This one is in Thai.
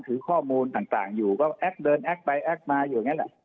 ถือข้อมูลต่างอยู่ก็แอ๊กเดินแอ๊กไปแอ๊กมาอยู่อย่างนั้น